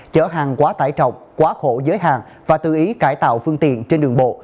chở hàng quá tải trọng quá khổ giới hạn và tự ý cải tạo phương tiện trên đường bộ